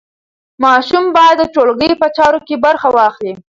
ماشوم باید د ټولګي په چارو کې برخه واخلي.